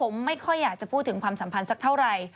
ผมไม่ค่อยอยากจะพูดถึงความสัมพันธ์สักเท่าไหร่